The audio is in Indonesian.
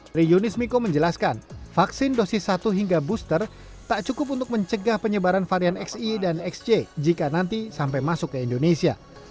tri yunis miko menjelaskan vaksin dosis satu hingga booster tak cukup untuk mencegah penyebaran varian xe dan xj jika nanti sampai masuk ke indonesia